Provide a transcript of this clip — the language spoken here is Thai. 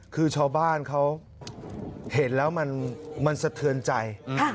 คือชาวบ้านเขาเห็นแล้วมันสะเทือนใจ